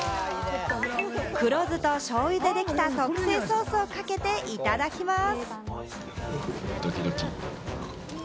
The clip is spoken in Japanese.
黒酢としょうゆで出来た特製ソースをかけていただきます！